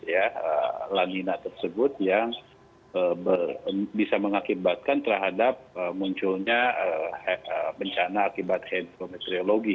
ya lanina tersebut yang bisa mengakibatkan terhadap munculnya bencana akibat hidrometeorologi